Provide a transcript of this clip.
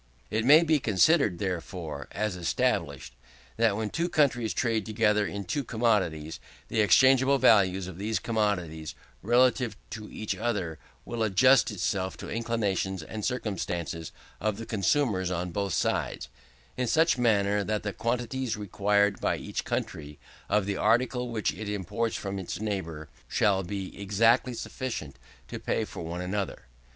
It may be considered, therefore, as established, that when two countries trade together in two commodities, the exchangeable value of these commodities relatively to each other will adjust itself to the inclinations and circumstances of the consumers on both sides, in such manner that the quantities required by each country, of the article which it imports from its neighbour, shall be exactly sufficient to pay for one another.